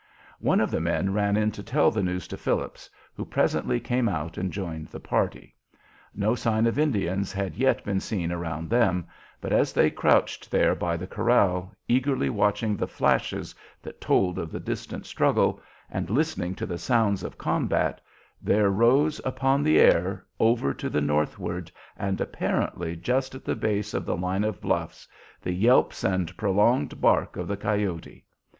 One of the men ran in to tell the news to Phillips, who presently came out and joined the party. No sign of Indians had yet been seen around them, but as they crouched there by the corral, eagerly watching the flashes that told of the distant struggle, and listening to the sounds of combat, there rose upon the air, over to the northward and apparently just at the base of the line of bluffs, the yelps and prolonged bark of the coyote.